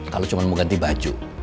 kalau cuma mau ganti baju